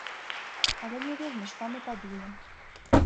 Але не вельмі ж там і пабілі.